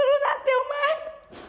お前。